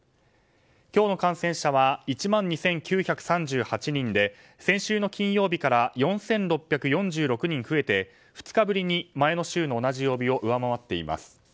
今日の感染者は１万２９３８人で先週の金曜日から４６４６人増えて２日ぶりに前の週の同じ曜日を上回っています。